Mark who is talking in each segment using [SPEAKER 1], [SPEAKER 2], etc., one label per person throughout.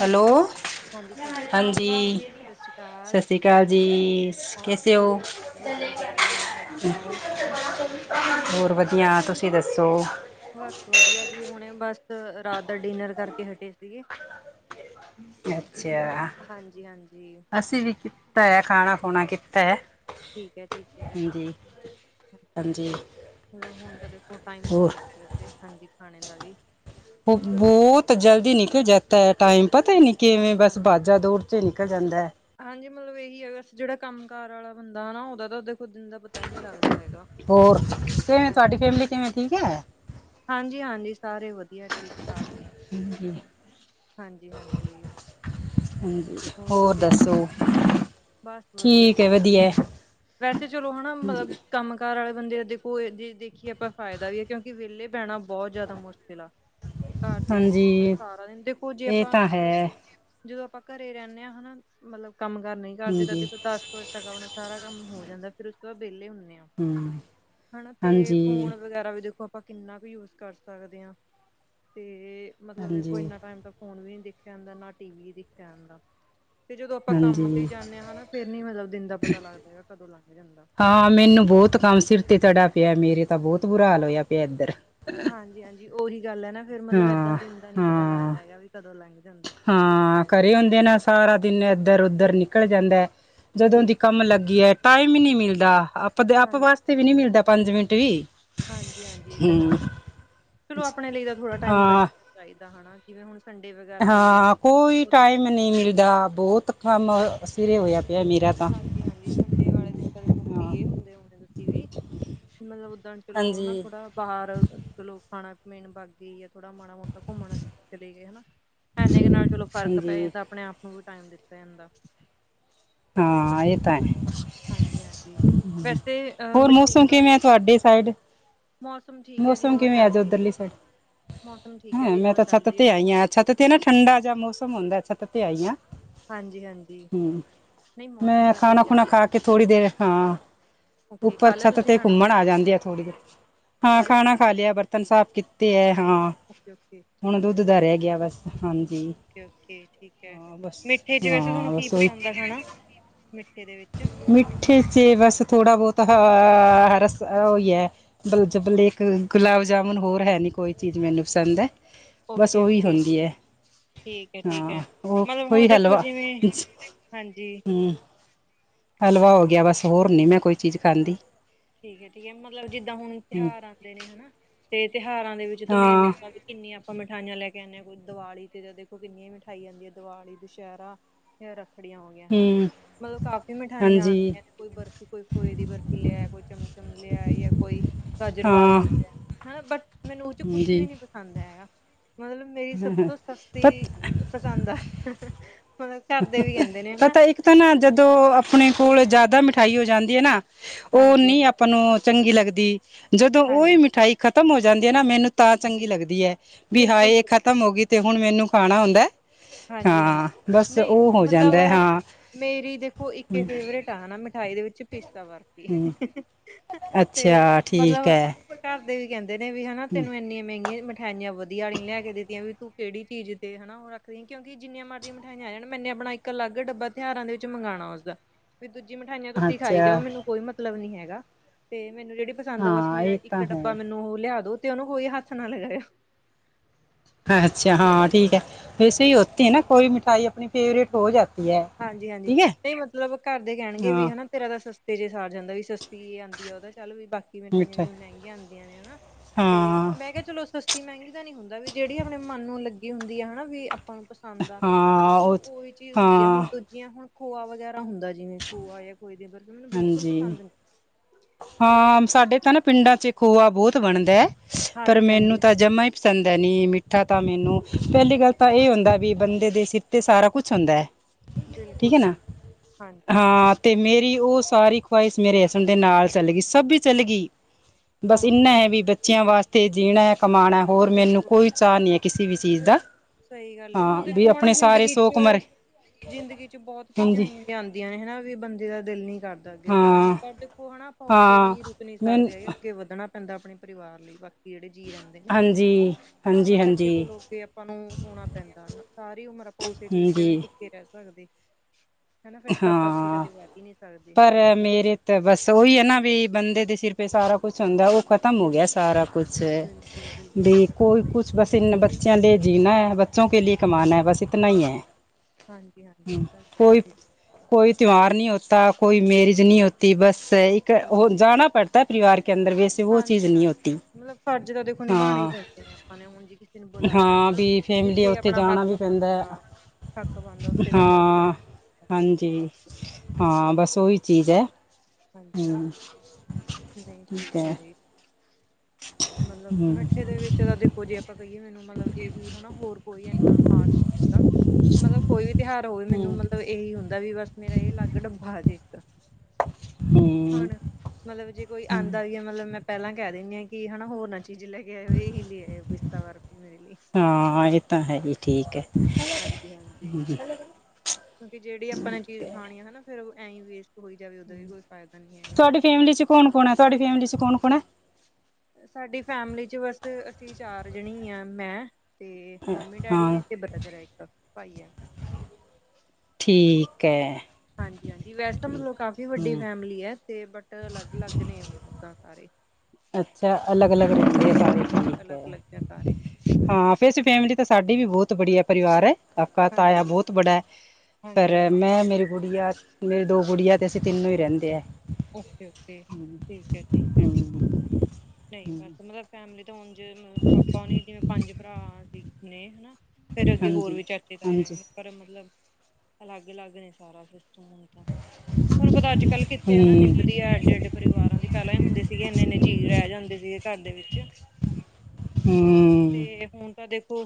[SPEAKER 1] Hello
[SPEAKER 2] ਹਾਂਜੀ ਸਤਿ ਸ਼੍ਰੀ ਅਕਾਲ
[SPEAKER 1] ਹਾਂਜੀ
[SPEAKER 2] ਜੀ ਸਤਿ ਸ਼੍ਰੀ
[SPEAKER 1] ਸਤਿ
[SPEAKER 2] ਅਕਾਲ
[SPEAKER 1] ਸ੍ਰੀ ਕਾਲ ਜੀ।
[SPEAKER 2] ਹੋਰ
[SPEAKER 1] ਕੇਸੇ
[SPEAKER 2] ਕੀ
[SPEAKER 1] ਹੋ?
[SPEAKER 2] ਵਧੀਆ ਜੀ ਵਧੀਆ ਆਪ ਸੁਨਾਓ?
[SPEAKER 1] ਹੋਰ ਵਧੀਆ ਤੁਸੀਂ ਦੱਸੋ।
[SPEAKER 2] ਬਸ ਵਧੀਆ ਜੀ ਹੁਣੇ ਬਸ ਰਾਤ ਦਾ ਡਿਨਰ ਕਰਕੇ ਹਟੇ ਸੀਗੇ।
[SPEAKER 1] ਅੱਛਾ
[SPEAKER 2] ਹਾਂਜੀ ਹਾਂਜੀ
[SPEAKER 1] ਅਸੀਂ ਵੀ ਕਿਤਾ ਏਂ ਖਾਣਾ ਖੂਣਾ ਕਿਤਾ।
[SPEAKER 2] ਠੀਕ ਐ ਠੀਕ ਐ। ਹਾਂਜੀ ਚਲੋ ਹੁਨ ਤਾਂ ਦੇਖੋ ਟਾਈਮ
[SPEAKER 1] ਹੋਰ
[SPEAKER 2] ਹੋਈ ਗਿਆ ਹਾਂਜੀ ਖਾਣੇ ਦਾ ਵੀ।
[SPEAKER 1] ਬੋਤ ਬੋਤ ਜਲਦੀ ਨਿਕਲ ਜਾਂਤਾ ਏ ਟਾਈਮ ਪਤਾ ਨਹੀਂ ਕਿਵੇਂ ਬਸ
[SPEAKER 2] ਹਾਂਜੀ
[SPEAKER 1] ਬਾਜਾ ਦੌੜ। ਚੇ ਨਿਕਲ ਜਾਂਦਾ ਏ। [unintelligible]
[SPEAKER 2] ਹਾਂਜੀ ਮਤਲਬ ਇਹੀ ਹੈ ਬਸ ਜਿਹੜਾ ਕੰਮ ਕਾਰ ਵਾਲਾ ਬੰਦਾ ਨਾ ਓਹਦਾ ਤਾਂ ਦੇਖੋ ਦਿਨ ਦਾ ਪਤਾ ਹੀ ਨਹੀਂ ਲੱਗਦਾ ਹੈਗਾ।
[SPEAKER 1] ਹੋਰ ਕਿਵੇਂ
[SPEAKER 2] ਹਾਂਜੀ
[SPEAKER 1] ਤੁਹਾਡੀ ਫੈਮਿਲੀ ਕਿਵੇਂ ਠੀਕ ਐ?
[SPEAKER 2] ਹਾਂਜੀ ਹਾਂਜੀ ਸਾਰੇ ਵਧੀਆ ਠੀਕ ਠਾਕ ਨੇ।
[SPEAKER 1] ਹਾਂਜੀ।
[SPEAKER 2] ਹਾਂਜੀ ਹਾਂਜੀ।
[SPEAKER 1] ਹਾਂਜੀ ਹੋਰ ਦੱਸੋ?
[SPEAKER 2] ਬਸ ਵਧੀਆ
[SPEAKER 1] ਠੀਕ
[SPEAKER 2] ਜੀ
[SPEAKER 1] ਹੈ
[SPEAKER 2] ਵਧੀਆ ਵੈਸੇ ਚਲੋ ਹਨਾ ਮਤਲਬ ਕੰਮ ਕਾਰ ਆਲੇ ਬੰਦੇ ਦਾ ਦੇਖੋ ਜੇ ਦੇਖੀਏ ਆਪਾਂ ਫਾਇਦਾ ਵੀ ਏ ਕਿਉਂਕਿ ਵਿਹਲੇ ਬੇਹਣਾ ਬਹੁਤ ਜ਼ਿਆਦਾ ਮੁਸ਼ਕਿਲ ਆ ਘਰ ਦੇ ਵਿੱਚ
[SPEAKER 1] ਹਾਂਜੀ
[SPEAKER 2] ਹਨਾ ਸਾਰਾ ਦਿਨ ਦੇਖੋ ਜੇ
[SPEAKER 1] ਇਹ
[SPEAKER 2] ਆਪਾਂ
[SPEAKER 1] ਤਾਂ
[SPEAKER 2] ਮਤਲਬ
[SPEAKER 1] ਹੈ
[SPEAKER 2] ਜਦੋਂ ਆਪਾਂ ਘਰੇ ਰਹਿੰਨੇ ਹਾਂ ਹਨਾ ਮਤਲਬ ਕੰਮ ਕਾਰ ਨਹੀਂ ਕਰਦੇ ਤਾਂ
[SPEAKER 1] ਹਾਂਜੀ
[SPEAKER 2] ਦੇਖੋ ਦਸ ਕ ਵਜੇ ਤਕ ਆਪਣਾ ਸਾਰਾ ਕੰਮ ਹੋ ਜਾਂਦਾ ਫੇਰ ਉਸ ਤੋਂ ਬਾਅਦ ਬੇਹਲੇ ਹੁੰਨੇ ਆ।
[SPEAKER 1] ਹਮ
[SPEAKER 2] ਹਨਾ ਤੇ
[SPEAKER 1] ਹਾਂਜੀ
[SPEAKER 2] ਫੋਨ ਵਗੈਰਾ ਵੀ ਦੇਖੋ ਆਪਾ ਕਿੰਨਾ ਕੁ ਯੂਜ ਕਰ ਸਕਦੇ ਆ ਤੇ ਮਤਲਬ ਦੇਖੋ
[SPEAKER 1] ਹਾਂਜੀ
[SPEAKER 2] ਇੰਨਾ ਟਾਈਮ ਤਾ ਫੋਨ ਵੀ ਨੀ ਦੇਖਿਆ ਜਾਂਦਾ ਨਾ ਟੀ ਵੀ ਦੇਖਿਆ ਜਾਂਦਾ ਤੇ ਜਦੋਂ ਆਪਾਂ ਕੰਮ ਤੇ
[SPEAKER 1] ਹਾਂਜੀ
[SPEAKER 2] ਜਾਂਦੇ ਆ ਹਨਾ ਫੇਰ ਨੀ ਮਤਲਬ ਦਿਨ ਦਾ ਪਤਾ ਲੱਗਦਾ ਹੈਗਾ ਕਦੋਂ ਲੰਘ ਜਾਂਦਾ।
[SPEAKER 1] ਹਾਂ ਮੈਨੂੰ ਬੋਤ ਕੰਮ ਸਿਰ ਤੇ ਤੜਾ ਪਿਆ ਮੇਰੇ ਤਾਂ ਬੋਤ ਬੁਰਾ ਹਾਲ ਹੋਇਆ ਪਿਆ ਐਧਰ।
[SPEAKER 2] ਹਾਂਜੀ-ਹਾਂਜੀ, ਓਹੀ ਗੱਲ ਐ ਨਾ ਫੇਰ ਮਤਲਬ ਏਦਾਂ
[SPEAKER 1] ਹਾਂ
[SPEAKER 2] ਦਿਨ ਦਾ ਨੀ ਪਤਾ
[SPEAKER 1] ਹਾਂ
[SPEAKER 2] ਲੱਗਦਾ ਹੈਗਾ ਵੀ ਕਦੋ ਲੰਘ ਜਾਂਦਾ।
[SPEAKER 1] ਹਾਂ ਘਰੇ ਹੁੰਦੇ ਨਾ ਸਾਰਾ ਦਿਨ ਇੱਧਰ ਉਧਰ ਨਿਕਲ ਜਾਂਦਾ। ਜਦੋਂ ਦੀ
[SPEAKER 2] ਠੀਕ ਹੈ
[SPEAKER 1] ਕੰਮ ਲੱਗੀ ਐ ਟਾਈਮ ਨੀ ਮਿਲਦਾ ਆਪਦੇ ਆਪ ਵਾਸਤੇ ਵੀ ਨੀ ਮਿਲਦਾ ਪੰਜ ਮਿੰਟ ਵੀ।
[SPEAKER 2] ਹਾਂਜੀ-ਹਾਂਜੀ, ਇਹ ਤਾਂ ਗੱਲ ਚਲੋ ਆਪਣੇ ਲਈ ਤਾਂ ਥੋੜ੍ਹਾ ਟਾਈਮ
[SPEAKER 1] ਹਾਂ
[SPEAKER 2] ਕੱਢਣਾ ਚਾਹੀਦਾ ਹਨਾ। ਜਿਵੇਂ ਹੁਣ ਸੰਡੇ ਵਗੈਰਾ ਹੋ ਗਿਆ, ਓਹ
[SPEAKER 1] ਨਹੀ ਮਿਲਦਾ ਬਹੁਤ ਕੰਮ ਸਿਰੇ ਹੋਇਆ ਪਿਆ ਮੇਰਾ। ਤਾਂ
[SPEAKER 2] ਹਾਂਜੀ-ਹਾਂਜੀ, ਸੰੰਡੇ ਵਾਲੇ ਦਿਨ ਤਾਂ ਦੇਖੋ ਫ੍ਰੀ
[SPEAKER 1] ਹਾਂ
[SPEAKER 2] ਏ ਹੁੰਦੇ ਹੋਗੇ ਤੁਸੀ ਵੀ। ਮਤਲਬ ਓਹਦਾ ਚਲੋ ਹਨਾ
[SPEAKER 1] ਹਾਂਜੀ
[SPEAKER 2] ਥੋੜਾ ਬਾਹਰ ਚਲੋ ਖਾਣਾ ਪੀਣ ਬਾਗੀ ਏ। ਥੋੜਾ ਮਾੜਾ ਮੋਟਾ ਘੁੰਮਣ ਚਲੇ ਗਏ ਹਨਾ ਏਨੇ ਕ ਨਾਲ ਚਲੋ ਫ਼ਰਕ ਪੈ
[SPEAKER 1] ਹਾਂਜੀ
[SPEAKER 2] ਜਾਂਦਾ ਆਪਣੇ ਆਪ ਓਹ ਵੀ ਟਾਈਮ ਦਿੱਤਾ ਜਾਂਦਾ।
[SPEAKER 1] ਹਾਂ ਇਹ ਐ
[SPEAKER 2] ਹਾਂਜੀ ਹਾਂਜੀ ਵੈਸੇ ਅਹ
[SPEAKER 1] ਹੋਰ
[SPEAKER 2] ਮਿੱਠੇ ਚ
[SPEAKER 1] ਮੌਸਮ ਕਿਵੇਂ ਆ ਤੁਹਾਡੇ ਸਾਈਡ।
[SPEAKER 2] ਮੌਸਮ ਠੀਕ ਹੈ ਜੀ
[SPEAKER 1] ਮੌਸਮ
[SPEAKER 2] ਹਵਾ
[SPEAKER 1] ਕਿਵੇਂ ਆ
[SPEAKER 2] ਚੱਲ
[SPEAKER 1] ਅੱਜ
[SPEAKER 2] ਰਹੀ ਹੈ।
[SPEAKER 1] ਓਧਰਲੀ ਸਾਈਡ।
[SPEAKER 2] ਮੌਸਮ ਠੀਕ ਹੈ
[SPEAKER 1] ਹਾਂ
[SPEAKER 2] ਜੀ
[SPEAKER 1] ਮੈਂ
[SPEAKER 2] ਹਵਾ
[SPEAKER 1] ਤਾਂ
[SPEAKER 2] ਚੱਲ
[SPEAKER 1] ਛੱਤ
[SPEAKER 2] ਰਹੀ
[SPEAKER 1] ਤੇ
[SPEAKER 2] ਹੈ
[SPEAKER 1] ਆਈ ਆ ਛੱਤ ਤੇ ਨਾ ਠੰਡਾ ਜਿਹਾ ਮੌਸਮ ਹੁੰਦਾ ਛੱਤ ਤੇ ਆਈ ਆ।
[SPEAKER 2] ਹਾਂਜੀ-ਹਾਂਜੀ।
[SPEAKER 1] ਮੈ ਖਾਨਾ ਖੁਨਾ ਖਾ ਕੇ ਥੋੜੀ ਦੇਰ ਹਾਂ।
[SPEAKER 2] ਓਕੇ
[SPEAKER 1] ਉੱਪਰ
[SPEAKER 2] ਖਾ ਲਿਆ
[SPEAKER 1] ਛੱਤ
[SPEAKER 2] ਤੁਸੀਂ
[SPEAKER 1] ਤੇ
[SPEAKER 2] ਖਾਣਾ
[SPEAKER 1] ਘੁੰਮਣ ਆ ਜਾਂਦੀ ਆ ਥੋੜੀ ਦੇਰ, ਹਾਂ ਖਾਣਾ ਖਾ ਲਿਆ ਬਰਤਨ ਸਾਫ਼ ਕੀਤੇ ਹੈ ਹਾਂ,
[SPEAKER 2] ਓਕੇ ਓਕੇ
[SPEAKER 1] ਹੁਣ ਦੁੱਧ ਦਾ ਰਹਿ ਗਿਆ ਬਸ ਹਾਂਜੀ।
[SPEAKER 2] ਓਕੇ-ਓਕੇ, ਠੀਕ ਹੈ
[SPEAKER 1] ਹਾਂ ਬਸ
[SPEAKER 2] ਮਿੱਠੇ 'ਚ ਵੈਸੇ ਤੁਹਾਨੂੰ
[SPEAKER 1] ਹਾਂ
[SPEAKER 2] ਕੀ
[SPEAKER 1] ਬਸ ਉਹੀ
[SPEAKER 2] ਪਸੰਦ ਆ ਖਾਣਾ, ਮਿੱਠੇ ਦੇ ਵਿੱਚ।
[SPEAKER 1] ਮਿੱਠੇ ਚ ਬਸ ਥੋੜਾ ਬਹੁਤਾ ਰਸ ਉਹੀ ਹੈ। ਬਲੇਕ ਇੱਕ ਗੁਲਾਬ ਜਾਮੁਨ ਹੋਰ ਹੈ ਨੀ ਕੋਈ ਚੀਜ਼ ਮੈਨੂੰ ਪਸੰਦ ਹੈ। ਬਸ
[SPEAKER 2] ਓਕੇ
[SPEAKER 1] ਉਹੀ
[SPEAKER 2] ਓਕੇ
[SPEAKER 1] ਹੁੰਦੀ ਹੈ।
[SPEAKER 2] ਠੀਕ ਹੈ ਠੀਕ
[SPEAKER 1] ਹਾਂ
[SPEAKER 2] ਹੈ
[SPEAKER 1] ਉਹ
[SPEAKER 2] ਮਤਲਬ ਹੁਣ
[SPEAKER 1] ਕੋਈ
[SPEAKER 2] ਦੇਖੋ
[SPEAKER 1] ਹੱਲਵਾ
[SPEAKER 2] ਜਿਵੇਂ
[SPEAKER 1] ਵਿਚ,
[SPEAKER 2] ਹਾਂਜੀ
[SPEAKER 1] ਹੂੰ। ਹਲਵਾ ਹੋ ਗਿਆ ਬਸ ਹੋਰ ਨੀ ਮੈਂ ਕੋਈ ਚੀਜ਼ ਖਾਂਦੀ।
[SPEAKER 2] ਠੀਕ ਹੈ ਠੀਕ ਹੈ ਮਤਲਬ ਜਿੱਦਾਂ ਹੁਣ
[SPEAKER 1] ਹੂੰ
[SPEAKER 2] ਤਿਉਹਾਰ ਆਉਂਦੇ ਨੇ ਹਨਾ ਤੇ ਤਿਉਹਾਰਾਂ ਦੇ ਵਿੱਚ ਤੁਹਾਨੂੰ
[SPEAKER 1] ਹਾਂ
[SPEAKER 2] ਉਦਾਂ ਦੇ, ਕਿੰਨੀਆਂ ਆਪਾਂ ਮਿਠਾਈਆਂ ਲੈ ਕੇ ਆਉਣੇ ਆ ਦਿਵਾਲੀ ਤੇ ਦੇਖੋ ਕਿੰਨੀ ਹੀ ਮਿਠਾਈ ਆਉਂਦੀ ਹੈ ਦਿਵਾਲੀ ਦੁਸਹਿਰਾ, ਫਿਰ ਰੱਖੜੀਆਂ, ਹੋਗੀਆ ਹਨਾ
[SPEAKER 1] ਹੂੰ
[SPEAKER 2] ਮਤਲਬ ਕਾਫ਼ੀ ਮਿਠਾਈਆਂ
[SPEAKER 1] ਹਾਂਜੀ
[SPEAKER 2] ਆਉਂਦੀਆ ਨੇ ਕੋਈ ਬਰਫ਼ੀ ਕੋਈ ਖੋਏ ਦੀ ਬਰਫ਼ੀ ਲਿਆ ਕੋਈ ਚਮਚਮ ਲਿਆ ਜਾਂ ਕੋਈ ਗਾਜਰ ਪਾਕ
[SPEAKER 1] ਹਾਂ
[SPEAKER 2] ਦਿੱਤਾ ਹਨਾ ਬਟ ਮੈਨੂੰ ਉਹ ਚੋ ਕੁੱਛ ਵੀ
[SPEAKER 1] ਹਾਂਜੀ
[SPEAKER 2] ਨੀ ਪੰਸਦ। ਪਸੰਦ ਹੈਗਾ, ਮਤਲਬ ਮੇਰੀ ਸਭ ਤੋਂ ਸਸਤੀ
[SPEAKER 1] ਪਤ
[SPEAKER 2] ਪਸੰਦ ਆ। ਘਰ ਦੇ ਵੀ ਕਹਿੰਦੇ ਨੇ ਹਨਾ
[SPEAKER 1] ਪਤਾ ਇੱਕ ਤਾਂ ਨਾ ਜਦੋਂ ਆਪਣੇ ਕੋਲ ਜ਼ਿਆਦਾ ਮਿਠਾਈ ਹੋ ਜਾਂਦੀ ਹੈ ਨਾ। ਉਹ
[SPEAKER 2] ਹਾਂਜੀ
[SPEAKER 1] ਨਹੀ
[SPEAKER 2] ਹਾਂਜੀ
[SPEAKER 1] ਆਪਾਂ ਨੂੰ ਚੰਗੀ ਲੱਗਦੀ ਜਦੋਂ ਉਹੀ
[SPEAKER 2] ਹਾਂਜੀ
[SPEAKER 1] ਮਿਠਾਈ ਖਤਮ ਹੋ ਜਾਂਦੀ ਹੈ ਨਾ ਮੈਨੂੰ, ਤਾਂ ਚੰਗੀ
[SPEAKER 2] ਬਿਲਕੁਲ
[SPEAKER 1] ਲੱਗਦੀ ਹੈ ਵੀ ਹਾਏ
[SPEAKER 2] ਬਿਲਕੁਲ
[SPEAKER 1] ਇਹ ਖ਼ਤਮ ਹੋ ਗਈ ਤੇ ਹੁਣ ਮੈਨੂੰ ਖਾਣਾ ਹੁੰਦਾ।
[SPEAKER 2] ਹਾਂਜੀ-ਹਾਂਜੀ,
[SPEAKER 1] ਹਾਂ ਬਸ
[SPEAKER 2] ਨਹੀ
[SPEAKER 1] ਉਹ ਹੋ ਜਾਂਦਾ
[SPEAKER 2] ਮਤਲਬ
[SPEAKER 1] ਹਾਂ
[SPEAKER 2] ਮੇਰੀ ਦੇਖੋ ਇੱਕੇ ਫੇਵਰੇਟ, ਫੇਵਰੇਟ ਹੈ ਮਿਠਾਈ ਦੇ ਵਿੱਚ ਪਿਸਤਾ ਬਰਫੀ
[SPEAKER 1] ਹੂੰ
[SPEAKER 2] ਤੇ
[SPEAKER 1] ਅੱਛਾ ਠੀਕ
[SPEAKER 2] ਮਤਲਬ,
[SPEAKER 1] ਹੈ
[SPEAKER 2] ਘਰ ਦੇ ਵੀ ਕਹਿੰਦੇ ਨੇ ਵੀ ਹਨਾ ਤੈਨੂੰ ਇੰਨੀਆ ਮਹਿੰਗੀਆਂ ਮਠਿਆਈਆਂ ਇਨੀਆਂ ਵਧੀਆ ਨਹੀ ਲੈ ਕੇ ਦਿਤੀਆਂ ਵੀ ਤੂੰ ਕਿਹੜੀ ਚੀਜ਼ ਤੇ ਹਨਾ ਉਹ ਕਿਉਂਕਿ ਜਿੰਨੀਆਂ ਮਰਜ਼ੀ ਮਠਾਈਆਂ ਆ ਜਾਣ ਮੈਨੇ ਆਪਣਾ ਇੱਕ ਅਲੱਗ ਡੱਬਾ ਤਿਉਹਾਰਾਂ ਦੇ ਵਿੱਚ ਮੰਗਾਉਣਾ ਹੁੰਦਾ। ਵੀ ਦੂਜੀ ਮਿਠਾਈਆਂ ਤੁਸੀਂ ਖਾਈ ਜਾਓ
[SPEAKER 1] ਅੱਛਾ
[SPEAKER 2] ਮੈਨੂੰ ਕੋਈ ਮਤਲਬ ਨੀ ਹੈਗਾ ਤੇ ਮੈਨੂੰ ਜਿਹੜੀ, ਪਸੰਦ ਆ ਬਸ ਮੇਰਾ ਇੱਕ ਡੱਬਾ ਮੈਨੂੰ ਉਹ ਲਿਆ ਦੋ ਤੇ ਉਹਨੂੰ ਕੋਈ ਹੱਥ ਨਾ ਲਗਾਇਓ।
[SPEAKER 1] ਹਾਂ ਅੱਛਾ ਹਾਂ ਠੀਕ ਹੈ ਵੈਸੇ ਹੀ ਹੋਤੀਆ ਨਾ ਕੋਈ ਮਿਠਾਈ ਆਪਣੀ ਫੇਵਰੇਟ ਹੋ ਜਾਤੀ,
[SPEAKER 2] ਹਾਂਜੀ-ਹਾਂਜੀ, ਨਹੀ ਮਤਲਬ ਘਰ ਦੇ ਕਹਿਣਗੇ ਵੀ ਹਨਾ ਤੇਰਾ ਤਾਂ ਸਸਤੇ ਚ ਹੀ ਸਰ ਜਾਂਦਾ ਵੀ ਸਸਤੇ, ਤੀ ਆਉਂਦੀ ਆ ਉਹਦਾ ਚੱਲ ਵੀ ਬਾਕੀ ਮਿਠਾਈਆਂ ਜਿਵੇਂ ਮਹਿੰਗੀਆਂ ਆਉਂਦੀਆ ਨੇ ਤੇ
[SPEAKER 1] ਹਾਂ
[SPEAKER 2] ਮੈ ਕਿਹਾ ਚਲੋ ਸਸਤੇ ਸਸਤੀ ਮਹਿੰਗੀ ਦਾ ਨੀ ਹੁੰਦਾ ਵੀ ਜਿਹੜੀ ਆਪਣੇ ਮਨ ਨੂੰ ਲੱਗੀ ਹੁੰਦੀ ਆ ਹਨਾ ਵੀ ਆਪਾਂ ਪਸੰਦ ਆ,
[SPEAKER 1] ਹਾਂ ਉਹ
[SPEAKER 2] ਮਤਲਬ ਉਹੀ ਚੀਜ਼ ਹੁੰਦੀ ਆ
[SPEAKER 1] ਹਾਂ
[SPEAKER 2] ਹੁਣ, ਜਿਵੇਂ, ਹੁਣ ਖੋਆ ਵਗੈਰਾ ਹੁੰਦਾ। ਜਿਵੇਂ ਖੋਆ ਜਾਂ ਖੋਏ ਦੇ ਮੈਨੂੰ, ਬਿਲਕੁੱਲ
[SPEAKER 1] ਹਾਂਜੀ
[SPEAKER 2] ਪਸੰਦ ਨਹੀਂ। ਮਤਲਬ
[SPEAKER 1] ਹਾਂ,
[SPEAKER 2] ਮੈਂ
[SPEAKER 1] ਸਾਡੇ ਤਾਂ ਨਾ ਪਿੰਡਾਂ ਚ ਖੋਆ ਬਹੁਤ ਬਣਦਾ ਹੈ। ਪਰ
[SPEAKER 2] ਹਾਂਜੀ
[SPEAKER 1] ਮੈਨੂੰ
[SPEAKER 2] ਹਾਂਜੀ
[SPEAKER 1] ਤਾਂ ਜਮਾ ਹੀ ਪਸੰਦ ਹੈ। ਨੀ ਮਿੱਠਾ ਤਾਂ ਮੈਨੂੰ ਪਹਿਲੀ ਗੱਲ ਤਾਂ ਇਹ ਹੁੰਦਾ ਵੀ ਬੰਦੇ ਦੇ ਸਿਰ ਤੇ ਸਾਰਾ ਕੁੱਛ ਹੁੰਦਾ ਹੈ। ਠੀਕ ਹੈ ਨਾ
[SPEAKER 2] ਬਿਲਕੁੱਲ-ਬਿਲਕੁੱਲ, ਹਾਂਜੀ।
[SPEAKER 1] ਹਾਂ ਤੇ, ਮੇਰੀ ਉਹ ਸਾਰੀ ਖਵਾਹਿਸ਼ ਮੇਰੇ ਹਸਣ ਦੇ ਨਾਲ ਚੱਲ ਗਈ, ਸਭ ਚੱਲ ਗਈ। ਬਸ,
[SPEAKER 2] ਹਾਂਜੀ
[SPEAKER 1] ਇੰਨਾ
[SPEAKER 2] ਹਾਂਜੀ
[SPEAKER 1] ਹੈ ਵੀ ਬੱਚਿਆਂ ਵਾਸਤੇ ਜੀਣਾ ਕਮਾਉਂਣਾ ਹੋਰ ਮੈਨੂੰ
[SPEAKER 2] ਬਿਲਕੁਲ
[SPEAKER 1] ਕੋਈ ਚਾਅ ਨਹੀਂ ਹੈ। ਕਿਸੇ ਵੀ ਚੀਜ਼ ਦਾ
[SPEAKER 2] ਸਹੀ ਗੱਲ ਏ,
[SPEAKER 1] ਹਾਂ
[SPEAKER 2] ਹੁਣ
[SPEAKER 1] ਵੀ
[SPEAKER 2] ਦੇਖੋ ਨਾ
[SPEAKER 1] ਆਪਣੇ ਸਾਰੇ
[SPEAKER 2] ਜ਼ਿੰਦਗੀ
[SPEAKER 1] ਸੌਕ
[SPEAKER 2] ਚ
[SPEAKER 1] ਮਰੇ
[SPEAKER 2] ਜ਼ਿੰਦਗੀ ਚ ਬਹੁਤ ਚੀਜ਼ਾਂ
[SPEAKER 1] ਹਾਂਜੀ
[SPEAKER 2] ਹੀ ਆਉਂਦੀਆਂ ਨੇ ਹਨਾ, ਵੀ ਬੰਦੇ ਦਾ ਦਿਲ ਨਹੀਂ ਕਰਦਾ। ਅੱਗੇ ਵਧਣ
[SPEAKER 1] ਹਾਂ
[SPEAKER 2] ਨੂੰ ਪਰ ਦੇਖੋ ਹਨਾ, ਆਪਾਂ ਉੱਥੇ
[SPEAKER 1] ਹਾਂ
[SPEAKER 2] ਵੀ ਰੁਕ ਨੀ
[SPEAKER 1] ਮੈਨ
[SPEAKER 2] ਸਕਦੇ ਹੈਗੇ। ਅੱਗੇ ਵਧਣਾ ਪੈਂਦਾ ਆਪਣੇ ਪਰਿਵਾਰ ਲਈ ਬਾਕੀ ਜਿਹੜੇ ਜੀਅ ਰਹਿੰਦੇ ਨੇ
[SPEAKER 1] ਹਾਂਜੀ
[SPEAKER 2] ਹਨਾ,
[SPEAKER 1] ਹਾਂਜੀ
[SPEAKER 2] ਉਹਨਾਂ ਕਰਕੇ
[SPEAKER 1] ਹਾਂਜੀ
[SPEAKER 2] ਤੇ ਲੋਕ ਆਪਾਂ ਨੂੰ ਰੁਕਣਾ ਪੈਂਦਾ ਹਨਾ, ਸਾਰੀ ਉਮਰ ਆਪਾਂ ਉਸੇ ਚੀਜ਼ ਤੇ ਵੀ ਨਹੀਂ
[SPEAKER 1] ਹਾਂਜੀ
[SPEAKER 2] ਟਿੱਕ ਕੇ ਰਹਿ ਸਕਦੇ। ਹਨਾ, ਫਿਰ ਤਾਂ ਆਪਾਂ ਅੱਗੇ
[SPEAKER 1] ਹਾਂ
[SPEAKER 2] ਕਦੇ ਵੱਧ ਹੀ ਨਹੀਂ ਸਕਦੇ ਹੈਗੇ‌।
[SPEAKER 1] ਤੇ ਬਸ ਉਹੀ ਹੈ, ਨਾ ਵੀ ਬੰਦੇ ਦੇ ਸਿਰ ਸਾਰਾ ਕੁੱਛ ਹੁੰਦਾ ਉਹ ਖਤਮ ਹੋ
[SPEAKER 2] ਬਿਲਕੁਲ
[SPEAKER 1] ਗਿਆ, ਸਾਰਾ ਕੁੱਛ
[SPEAKER 2] ਬਿਲਕੁਲ ਬਿਲਕੁਲ ਇਹ
[SPEAKER 1] ਵੀ
[SPEAKER 2] ਤਾਂ ਗੱਲ
[SPEAKER 1] ਕੋਈ
[SPEAKER 2] ਸਹੀ
[SPEAKER 1] ਕੁੱਛ ਬਸ ਤਿੰਨ ਬੱਚਿਆਂ ਲਈ ਜੀਣਾ ਹੈ। ਬੱਚੋਂ ਕੇ ਲਈ ਕਮਾਣਾ ਹੈ। ਬਸ ਇਤਨਾ ਹੀ ਹੈ।
[SPEAKER 2] ਹਾਂਜੀ-ਹਾਂਜੀ ਬਸ ਤੁਹਾਡੀ
[SPEAKER 1] ਕੋਈ ਤਿਉਹਾਰ ਨਹੀਂ ਹੋਤਾ, ਕੋਈ ਮੈਰਿਜ ਨਹੀਂ ਹੋਤੀ, ਬਸ ਇੱਕ ਉਹ
[SPEAKER 2] ਹਾਂਜੀ
[SPEAKER 1] ਜਾਣਾਂ ਪੈਂਦਾ। ਪਰਿਵਾਰ ਕੇ ਅੰਦਰ ਵੈਸੇ, ਉਹ ਚੀਜ਼
[SPEAKER 2] ਹਾਂਜੀ
[SPEAKER 1] ਨਹੀਂ
[SPEAKER 2] ਹਾਂਜੀ
[SPEAKER 1] ਹੋਤੀ।
[SPEAKER 2] ਮਤਲਬ, ਫ਼ਰਜ਼ ਤਾਂ ਦੇਖੋ ਨਿਭਾਉਣੇ ਹੀ ਪੈਂਦੇ ਨੇ, ਆਪਾਂ ਨੇ ਹੁਣ ਜੇ ਕਿਸੇ ਨੂੰ ਬੁਲਾਇਆ
[SPEAKER 1] ਹਾਂ
[SPEAKER 2] ਹਨਾ,
[SPEAKER 1] ਵੀ ਫੈਮਿਲੀ ਆ
[SPEAKER 2] ਕਿਥੇ
[SPEAKER 1] ਉੱਥੇ
[SPEAKER 2] ਆਪਣਾ
[SPEAKER 1] ਜਾਣਾ
[SPEAKER 2] ਹੱਕ
[SPEAKER 1] ਵੀ ਪੈਂਦਾ
[SPEAKER 2] ਬਣਦਾ
[SPEAKER 1] ਹੈ।
[SPEAKER 2] ਥੱਕ ਬਣਦਾ, ਉੱਥੇ ਤਾਂ ਆਪਾਂ ਨੂੰ
[SPEAKER 1] ਹਾਂ
[SPEAKER 2] ਬਿਲਕੁਲ
[SPEAKER 1] ਹਾਂਜੀ,
[SPEAKER 2] ਸਹੀ
[SPEAKER 1] ਹਾਂ,
[SPEAKER 2] ਗੱਲ
[SPEAKER 1] ਬਸ ਓਹੀ ਚੀਜ਼ ਐ।
[SPEAKER 2] ਹਾਂਜੀ
[SPEAKER 1] ਹੂੰ।
[SPEAKER 2] ਹਾਂਜੀ ਨਹੀਂ, ਠੀਕ ਹੈ ਜੀ, ਮਤਲਬ
[SPEAKER 1] ਹਮ
[SPEAKER 2] ਮਿੱਠੇ ਦੇ ਵਿੱਚ ਦਾ ਦੇਖੋ, ਜੇ ਆਪਾਂ ਕਹੀਏ, ਮੈਨੂੰ ਮਤਲਬ ਏਹੀ ਹਨਾ ਹੋਰ ਕੋਈ ਏਨਾ ਖਾਸ ਨੀ ਲਗਦਾ ਮਤਲਬ, ਕੋਈ ਵੀ ਤਿਹਾਰ ਹੋਵੇ। ਮੈਨੂੰ ਮਤਲਬ ਏਹੀ ਹੁੰਦਾ ਵੀ ਬਸ ਮੇਰਾ ਏਹ ਅਲੱਗ ਡੱਬਾ ਆਜੇ ਇੱਕ।
[SPEAKER 1] [inaudible]
[SPEAKER 2] ਹੁਣ, ਮਤਲਬ, ਜੇ ਕੋਈ ਆਦਾ ਵੀ ਏ, ਮਤਲਬ ਮੈਂ ਪੈਲਾਂ ਕੈ ਦਿੰਨੀ ਆਂ। ਕਿ ਹਨਾ ਹੋਰ ਨਾ ਚੀਜ਼ ਲੈ ਕੇ ਆਏਓ ਏਹੀ ਲੈ ਆਇਓ, ਪਿਸਤਾ ਵਰਫੀ ਮੇਰੇ ਲੀ।
[SPEAKER 1] ਹਾਂ, ਏਹ ਤਾਂ ਹੈ ਹੀ, ਠੀਕ ਹੈ।
[SPEAKER 2] ਹਾਂਜੀ-ਹਾਂਜੀ, ਕਿਉਂਕਿ ਜੇੜੀ ਆਪਾਂ ਨੇ ਚੀਜ਼ ਖਾਣੀ ਆ। ਹਨਾ ਫੇਰ ਓਹ ਐਂ ਹੀ ਵੇਸਟ ਹੋਈ ਜਾਵੇ, ਓਦਾ ਵੀ ਕੋਈ ਫਾਇਦਾ ਨੀ ਹੈਗਾ, ਫਿਰ।
[SPEAKER 1] ਕੌਣ-ਕੌਣ ਐ, ਤੁਆਡੀ ਫੈਮਲੀ ਚ ਕੌਣ-ਕੌਣ ਐ?
[SPEAKER 2] ਸਾਡੀ ਫੈਮਿਲੀ ਚ ਬਸ, ਅਸੀਂ ਚਾਰ ਜਣੀ ਆਂ। ਮੈਂ ਤੇ, ਮੰਮੀ-ਡੈਡੀ
[SPEAKER 1] ਹਾਂ
[SPEAKER 2] ਨੇ ਤੇ ਬ੍ਰਦਰ ਐ ਇੱਕ, ਭਾਈ ਐ ਆਪਣਾ।
[SPEAKER 1] ਠੀਕ ਐ।
[SPEAKER 2] ਹਾਂਜੀ-ਹਾਂਜੀ, ਵੈਸੇ ਤਾਂ ਮਤਲਬ, ਕਾਫ਼ੀ ਵੱਡੀ
[SPEAKER 1] ਹਮ
[SPEAKER 2] ਫੈਮਿਲੀ ਐ। ਤੇ, ਬਟ ਅਲੱਗ-ਲੱਗ ਨੇ ਹੁਣ ਓਦਾਂ ਸਾਰੇ।
[SPEAKER 1] ਅੱਛਾ, ਅਲਗ-ਅਲੱਗ ਰੈੰਦੇ ਦੇ ਸਾਰੇ
[SPEAKER 2] ਹਾਂਜੀ
[SPEAKER 1] ਠੀਕ ਐ।
[SPEAKER 2] ਅਲੱਗ ਅਲੱਗ ਨੇ ਸਾਰੇ
[SPEAKER 1] ਹਾਂ, ਵੈਸੇ ਫੈਮਿਲੀ ਤਾਂ ਸਾਡੀ ਵੀ ਬੌਤ ਬੜੀਆ ਪਰਿਵਾਰ ਐ। ਕਾਕਾ, ਤਾਯਾ
[SPEAKER 2] ਹਾਂਜੀ
[SPEAKER 1] ਬੌਤ ਬੜੈ।
[SPEAKER 2] ਹਾਂਜੀ
[SPEAKER 1] ਪਰ
[SPEAKER 2] ਹਾਂਜੀ
[SPEAKER 1] ਮੈਂ, ਮੇਰੀ ਗੁੜੀਆ ਮੇਰੀ ਦੋ ਗੁੜੀਆਂ ਤੇ ਅਸੀਂ ਤਿੰਨੋਂ ਈ ਰੈੰਦੇ ਐ।
[SPEAKER 2] ਓਕੇ-ਓਕੇ, ਠੀਕ ਐ, ਠੀਕ ਐ।
[SPEAKER 1] ਹੂੰ
[SPEAKER 2] ਨਹੀਂ, ਬਸ ਮਲਬ ਫੈਮਿਲੀ ਤਾਂ ਹੁੰਝ ਨੂੰ ਪਾਪਾ ਹੁਣੀ, ਜਿਵੇਂ ਪੰਜ ਭਰਾ ਸੀ, ਨੇ ਹਨਾ। ਫਿਰ ਅੱਗੇ ਹੋਰ
[SPEAKER 1] ਹਾਂਜੀ
[SPEAKER 2] ਵੀ ਚਾਚੇ ਤਾਂਏ ਹੈਗੇ
[SPEAKER 1] ਹਾਂਜੀ
[SPEAKER 2] ਨੇ। ਪਰ ਓ ਮਤਲਬ ਅਲਗ-ਅਲਗ ਨੇ ਸਾਰਾ ਸਿਸਟਮ ਹੁਣ ਤਾਂ ਥੋਨੂੰ ਪਤਾ ਅੱਜ-ਕੱਲ ਕਿ ਤੇ ਹਨਾ
[SPEAKER 1] ਹੂੰ
[SPEAKER 2] ਨਿਭਦੀ ਹੈ ਐਡੇ-ਐਡੇ ਪਰਿਵਾਰਾਂ ਦੀ ਪੈਲਾਂ ਈ ਹੁੰਦੇ ਸੀਗੇ ਇੰਨੇ-ਇੰਨੇ ਜੀਅ ਰੈ ਜਾਂਦੇ ਸੀਗੇ ਘੱਰ ਦੇ ਵਿੱਚ।
[SPEAKER 1] ਹੂੰ
[SPEAKER 2] ਤੇ ਹੁਣ ਤਾਂ ਦੇਖੋ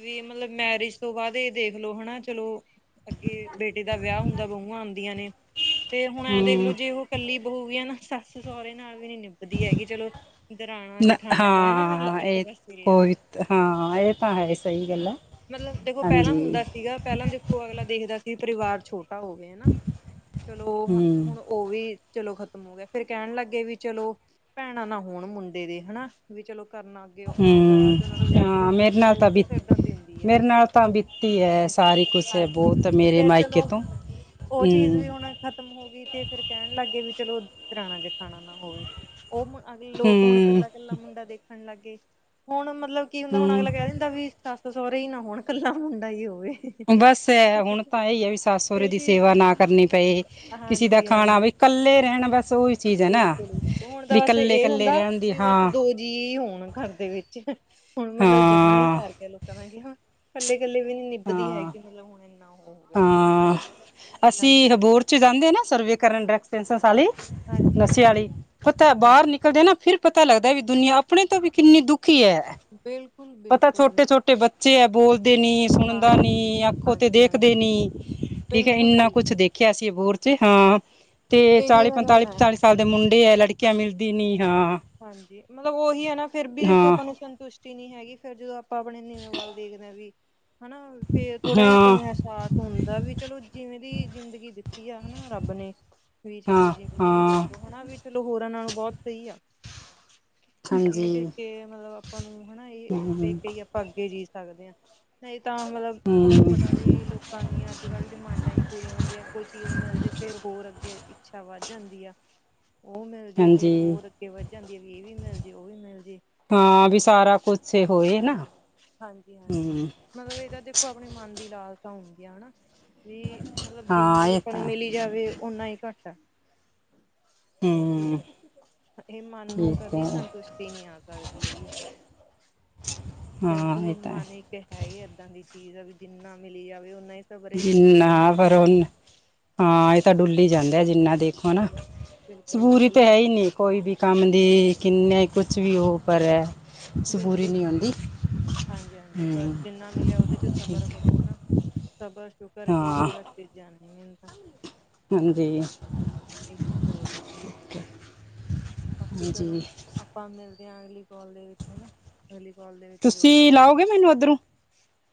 [SPEAKER 2] ਵੀ ਮਤਲਬ ਮੈਰਿਜ ਤੋਂ ਬਾਦ ਏ ਦੇਖਲੋ ਹਨਾ ਚਲੋ ਅੱਗੇ ਬੇਟੇ ਦਾ ਵਿਆਹ ਹੁੰਦਾ ਬਹੁਆ ਆਦੀਆਂ ਨੇ। ਤੇ ਹੁਣ ਐ ਦੇਖ ਲੋੋ
[SPEAKER 1] ਹੂੰ
[SPEAKER 2] ਜੇ ਉਹ ਕੱਲੀ ਬਹੁੂ ਵੀ ਆ ਨਾ ਸੱਸ-ਸੋਹਰੇ ਨਾਲ ਵੀ ਨੀ ਨਿਭ ਧੀ ਹੈਗੀ ਚਲੋ
[SPEAKER 1] ਨ
[SPEAKER 2] ਦਰਾਣਾ-ਜਠਾਣਾ ਦਾ ਹਨਾ
[SPEAKER 1] ਹਾਂ
[SPEAKER 2] ਇੱਕ
[SPEAKER 1] ਇਹ
[SPEAKER 2] ਪਾਸੇ ਰਿਹਾ।
[SPEAKER 1] ਕੋਈ ਹਾਂ ਐ ਤਾਂ ਹੈ ਸਹੀ ਗੱਲ ਆ।
[SPEAKER 2] ਮਤਲਬ ਦੇਖੋ ਪੈਲਾ ਹੁੰਦਾ ਸੀਗਾ ਪੈਲਾ ਦੇ ਉਹ ਅਗਲਾ ਦੇਖਦਾ ਸੀ ਪਰਿਵਾਰ ਛੋਟਾ ਹੋਵੇ ਹਨਾ ਚਲੋ
[SPEAKER 1] ਹੂੰ
[SPEAKER 2] ਓ ਵੀ ਚਲੋ ਖ਼ਤਮ ਹੋ ਗਿਆ ਫੇਰ ਕੈਣ ਲੱਗ ਗਏ ਵੀ ਚਲੋ ਭੈਣਾ ਨਾ ਹੋਣ ਮੁੰਡੇ ਦੀ ਹਨਾ ਵੀ ਚਲੋ ਕਰਨਾ ਅੱਗੇ ਔਖਾ ਹੁੰਦਾ
[SPEAKER 1] ਹੂੰ
[SPEAKER 2] ਅੱਜ ਉਹਨਾ ਨੂੰ ਵਿਆਹ ਕੇ ਤੇ
[SPEAKER 1] ਹਾਂ
[SPEAKER 2] ਉਹਨਾਂ ਦੇ
[SPEAKER 1] ਮੇਰੇ ਨਾਲ
[SPEAKER 2] ਮੁੰਡੇ ਦੇ ਉਤੇ ਸਿਰਦਰਦੀ ਹੂੰਦੀ ਐ।
[SPEAKER 1] ਤੀ ਹੈ ਸਾਰੀ ਕੁਛ ਬੋਤ ਮੇਰੇ ਮਾਇਕੇ ਤੋਂ।
[SPEAKER 2] ਓ ਚੀਜ਼
[SPEAKER 1] ਹੂੰ
[SPEAKER 2] ਵੀ ਹੁਣ ਖਤ ਤਮ ਹੋਗੀ ਤੇ ਫਿਰ ਕੈਣ ਲੱਗ ਗਏ ਵੀ ਚਲੋ ਦਰਾਣਾ-ਜਠਾਣਾ ਨਾ ਹੋਵੇ। ਓਹ ਮ ਅਗੀ ਲੋਗ ਹੁਣ
[SPEAKER 1] ਹੂੰ
[SPEAKER 2] ਕੱਲਾ-ਕੱਲਾ ਮੁੰਡਾ ਦੇਖਣ ਲੱਗ ਗੇ ਹੁਣ ਮਤਲਬ ਕੀ ਹੁੰਦਾ ਹੁਣ ਅਗਲਾ ਕੈ
[SPEAKER 1] ਹੂੰ
[SPEAKER 2] ਦਿੰਦ ਦਾ ਵੀ ਸੱਸ ਸੌਰੇ ਹੀ ਨਾ ਹੋਣ ਕੱਲਾ ਮੁੰਡਾ ਹੀ ਹੋਵੇ।
[SPEAKER 1] ਬਸ ਐ ਹੁਣ ਤਾਂ ਐਹੀ ਐ ਵੀ ਸੱਸ ਸੌਰੇ
[SPEAKER 2] ਇਹ
[SPEAKER 1] ਦੀ
[SPEAKER 2] ਚੀਜ਼
[SPEAKER 1] ਸੇਵਾ ਨਾ ਕਰਨੀ ਪਏ ਕਿਸੀ ਦਾ ਖਾਣਾ ਬਈ ਕੱਲੇ ਰੈਣ ਬਸ। ਉਹੀ ਚੀਜ਼ ਹੈ ਨਾ
[SPEAKER 2] ਬਿਲਕੁਲ ਬਿਲਕੁ ਹੁਣ ਤਾ
[SPEAKER 1] ਵੀ
[SPEAKER 2] ਬਸ
[SPEAKER 1] ਕੱਲੇ
[SPEAKER 2] ਏਹ
[SPEAKER 1] ਕੱਲੇ
[SPEAKER 2] ਹੁੰਦਾ
[SPEAKER 1] ਰਹਿਣ ਦੀ
[SPEAKER 2] ਵੀ ਬਸ
[SPEAKER 1] ਹਾਂ
[SPEAKER 2] ਦੋ ਜੀਅ ਹੋਣ ਘੱਰ ਦੇ ਵਿੱਚ ਹੁਣ ਮਤਲਬ ਜੰਮੀਐ
[SPEAKER 1] ਹਾਂ
[SPEAKER 2] ਸਰ ਐ ਲੋਕਾਂ ਦਾ ਕਿ ਹਾਂ ਕੱਲੇ-ਕੱਲੇ ਵੀ ਨੀ ਨਿਭਦੀ
[SPEAKER 1] ਹਾਂ
[SPEAKER 2] ਹੈਗੀ ਮਤਲਬ ਹੁਣ ਇੰਨਾ ਓ ਹੋ ਗਿਆ।
[SPEAKER 1] ਹਾਂ ਅਸੀਂ
[SPEAKER 2] ਹਾਂਜੀ,
[SPEAKER 1] ਹਬੋਰ ਚ ਜਾਂਦੇ ਐ ਨਾ ਸਰਵੇ ਕਰਨ ਡਰ ਪਿਣਸਸ ਆਲੀ ਨਸ਼ੇ
[SPEAKER 2] ਹਾਂਜੀ-ਹਾਂਜੀ।
[SPEAKER 1] ਆਲੀ ਪਤੈ ਬਾਰ
[SPEAKER 2] ਹਾਂਜੀ,
[SPEAKER 1] ਨਿਕਲਦੇ ਆ ਨਾ ਫਿਰ ਪਤਾ ਲੱਗਦਾ ਵੀ ਦੁਨੀਆ ਅਪਣੇ ਤੋਂ ਵੀ ਕਿੰਨੀ ਦੁਖੀ ਐ ਪਤਾ
[SPEAKER 2] ਬਿਲਕੁਲ-ਬਿਲਕੁਲ
[SPEAKER 1] ਛੋਟੇ-ਛੋਟੇ ਟੇ ਬੱਚੇ ਐ ਬੋਲਦੇ ਨੀ, ਸੁਣਦਾ
[SPEAKER 2] ਹਾਂਜੀ।
[SPEAKER 1] ਨੀ, ਆਖੋ ਤੇ
[SPEAKER 2] ਹਾਂਜੀ-ਹਾਂਜੀ,
[SPEAKER 1] ਦੇਖਦੇ ਨੀ। ਠੀਕ ਹੈ ਇੰਨਾ ਕੁਛ
[SPEAKER 2] ਬਿਲਕੁਲ-ਬਿਲਕੁਲ
[SPEAKER 1] ਦੇਖਿਆ ਸੀ ਬੋਰ ਚ ਹਾਂ ਤੇ
[SPEAKER 2] ਇਹੀ
[SPEAKER 1] ਚਾਲੀ,
[SPEAKER 2] ਤਾਂ ਗੱਲ
[SPEAKER 1] ਪੰਤਾਲੀ-
[SPEAKER 2] ਹੈ।
[SPEAKER 1] ਪੰਤਾਲੀ ਸਾਲ ਦੇ ਮੁੰਡੇ ਹੈ ਲੜਕੀਆ ਮਿਲਦੀ ਨੀ ਹਾਂ।
[SPEAKER 2] ਹਾਂਜੀ ਮਤਲਬ ਉਹੀ ਹੈ ਨਾ ਫਿਰ ਵੀ ਦੇਖੋ
[SPEAKER 1] ਹਾਂ
[SPEAKER 2] ਆਪਾਂ ਨੂੰ ਸੰਤੁਸ਼ਟ ਨੀ ਹੈਗੀ ਫੇਰ ਜਦੋ ਆਪਾ ਆਪਣੇ ਨੀਵੇ ਵੱਲ ਦੇਖਦੇ ਹਾਂ ਵੀ ਹਨਾ ਫੇਰ ਥੋੜਾ ਜਹਾ
[SPEAKER 1] ਹਾਂ
[SPEAKER 2] ਆਪਾ ਸਾਸ ਹੁੰਦਾ ਵੀ ਚਲੋ ਜਿਵੇਂ ਦੀ ਜ਼ਿੰਦਗੀ ਦਿੱਤੀ ਆ ਹਨਾ ਰੱਬ ਨੇ। ਵੀ ਚਲੋ
[SPEAKER 1] ਹਾਂ
[SPEAKER 2] ਜਿਵੇਂ ਦੀ ਵੀ ਕਹਿ
[SPEAKER 1] ਹਾਂ
[SPEAKER 2] ਲਓ ਹਨਾ ਵੀ ਚਲੋ ਹੋਰਾ ਨਾਲੋ ਬੋਤ ਸਹੀ ਆ। ਇਹ
[SPEAKER 1] ਹਾਂਜੀ
[SPEAKER 2] ਦੇਖ ਕੇ ਮਤਲਬ ਆਪਾਂ ਨੂੰ ਹਨਾ ਇਹ ਦੇ
[SPEAKER 1] ਹਮ
[SPEAKER 2] ਕੇ ਹੀ ਅੱਗੇ ਜੀਅ ਸਕਦੇ ਹਾਂ ਨਈ ਤਾਂ ਮਤਲਬ ਤੁਹਾਨੂੰ
[SPEAKER 1] ਹਮ
[SPEAKER 2] ਪਤਾ ਵੀ ਲੋਕ ਕਾ ਦੀਆ ਅੱਜ ਕੱਲ੍ਹ ਡਿਮਾਂਡਾ ਹੀ ਪੂਰੀਆ ਹੁੰਦੀਆ ਕੋਈ ਚੀਜ਼ ਮਿਲ ਜੇ ਫੇਰ ਹੋਰ ਅੱਗੇ ਇੱਛਾ ਵੱਧ ਜਾਂਦੀ ਆ। ਉਹ ਮਿਲ ਜੇ ਫੇਰ
[SPEAKER 1] ਹਾਂਜੀ
[SPEAKER 2] ਹੋਰ ਅੱਗੇ ਵੱਧ ਜਾਂਦੀ ਹੈ ਵੀ ਇਹ ਵੀ ਮਿਲ ਜੇ ਉਹ ਵੀ ਮਿਲ ਜੇ।
[SPEAKER 1] ਹਾਂ ਵੀ ਸਾਰਾ ਕੁਛ ਹੋਏ ਨਾ।
[SPEAKER 2] ਹਾਂਜੀ-ਹਾਂਜੀ
[SPEAKER 1] ਹਮ
[SPEAKER 2] ਮਤਲਬ ਇਹ ਤਾ ਦੇਖੋ ਆਪਣੇ ਮਨ ਦੀ ਲਾਲਸਾ ਹੁੰਦੀ ਆ ਹਨਾ। ਵੀ ਮਤਲਬ ਜਿੰਨਾ
[SPEAKER 1] ਹਾਂ
[SPEAKER 2] ਵੀ
[SPEAKER 1] ਇਹ
[SPEAKER 2] ਆਪਾਂ ਨੂੰ
[SPEAKER 1] ਤਾਂ
[SPEAKER 2] ਮਿਲੀ ਜਾਵੇ ਓਨਾ ਹੀ ਘੱਟ ਆ। ਇਹ ਚੀਜ਼
[SPEAKER 1] ਹਮ
[SPEAKER 2] ਆ। ਇਹ ਮਨ ਨੂੰ
[SPEAKER 1] ਠੀਕ ਹੈ
[SPEAKER 2] ਕਦੀ ਸੰਤੁਸ਼ਟੀ ਨੀ ਆ ਸਕਦੀ ਹੈਗੀ।
[SPEAKER 1] ਹਾਂ
[SPEAKER 2] ਕਿਉਂਕਿ
[SPEAKER 1] ਇਹ ਤਾਂ
[SPEAKER 2] ਮਨ ਇੱਕ ਹੈ ਹੀ ਏਦਾਂ ਦੀ ਚੀਜ਼ ਆ ਵੀ ਜਿੰਨਾ ਮਿਲੀ ਜਾਵੇ ਓਨਾ ਹੀ ਸਬਰ ਹਿੱਲੀ
[SPEAKER 1] ਜਿੰਨਾ
[SPEAKER 2] ਜਾਂਦਾ ਇਨਸਾਨ
[SPEAKER 1] ਪਰ ਉਹ
[SPEAKER 2] ਦਾ।
[SPEAKER 1] ਹਾਂ ਇਹ ਤਾਂ ਡੁੱਲੀ ਜਾਂਦਾ ਜਿੰਨਾ ਦੇ ਹੈਨਾ
[SPEAKER 2] ਹਾਂਜੀ
[SPEAKER 1] ਸਬੂਰੀ
[SPEAKER 2] ਬਿਲਕੁਲ-ਬਿਲਕੁਲ
[SPEAKER 1] ਤਾਂ ਹੈ
[SPEAKER 2] ਬਸ
[SPEAKER 1] ਹੀ ਨੀ ਕੋਈ ਵੀ ਕੰਮ ਦੀ ਕਿੰਨੇ ਕੁਛ ਵੀ ਹੋ ਪਰ ਐ ਸਬੂਰੀ ਨਹੀਂ ਹੁੰਦੀ
[SPEAKER 2] ਹਾਂਜੀ ਹਾਂਜੀ ਬਸ ਜਿੰਨਾ ਮਿਲਿਆ ਉਹਦੇ ਚ ਸਫ਼ਰ
[SPEAKER 1] ਠੀਕ
[SPEAKER 2] ਕਰੋ ਹਨਾ ਸਬਰ ਸ਼ੁਕਰ
[SPEAKER 1] ਹਾਂ
[SPEAKER 2] ਇਹੀ ਵਾਸਤੇ ਜਾ ਮਨ ਤਾਂ
[SPEAKER 1] ਹਾਂਜੀ
[SPEAKER 2] ਇਹ ਚੀਜ਼ ਹੋ ਜਾਂਦੀ ਹੈ ਬਾਕੀ ਚਲੋ
[SPEAKER 1] ਹਾਂਜੀ
[SPEAKER 2] ਆਪਾਂ ਮਿਲਦੇ ਆਂ ਅਗਲੀ ਕਾਲ ਦੇ ਵਿੱਚ ਹਨਾ ਅਗਲੀ ਕਾਲ ਦੇ ਵਿੱਚ ਜੁੜਦੇ
[SPEAKER 1] ਤੁਸੀਂ
[SPEAKER 2] ਆਂ
[SPEAKER 1] ਲਾਓਗੇ ਮੈਨੂੰ ਉੱਧਰੋਂ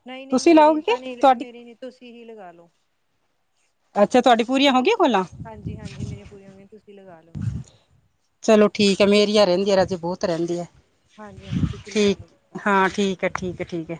[SPEAKER 2] ਨਹੀਂ ਨਹੀਂ
[SPEAKER 1] ਤੁਸੀਂ
[SPEAKER 2] ਮੇਰੀ
[SPEAKER 1] ਲਾਓਗੇ ਕਿ
[SPEAKER 2] ਤਾਂ ਨਹੀਂ
[SPEAKER 1] ਤੁਹਾਡੀ
[SPEAKER 2] ਮੇਰੀ ਨ ਤੁਸੀਂ ਹੀ ਲਗਾ ਲੋੋ
[SPEAKER 1] ਅੱਛਾ ਤੁਹਾਡੀ ਪੂਰੀਆਂ ਹੋਗੀਆਂ ਕੋਲਾਂ
[SPEAKER 2] ਹਾਂਜੀ ਹਾਂਜੀ ਮੇਰੀਆਂ ਪੂਰੀਆਂ ਹੋ ਗੀਆਂ ਤੁਸੀਂ ਲਗਾ ਲੋ
[SPEAKER 1] ਚਲੋ ਠੀਕ ਐ ਮੇਰੀਆਂ ਰਹਿੰਦੀਆਂ ਰਾਜੇ ਬਹੁਤ ਰਹਿੰਦੀ ਹੈ
[SPEAKER 2] ਹਾਂਜੀ ਹਾਂਜੀ ਤੁਸੀਂ ਲਗਾ ਲ਼ੋ ਓ
[SPEAKER 1] ਕ ਠੀਕ ਐ ਠੀਕ ਐ